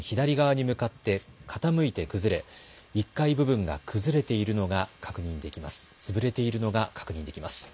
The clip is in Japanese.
中央の建物が画面左側に向かって傾いて崩れ１階部分が崩れているのが確認できます。